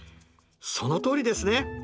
そのとおりですね。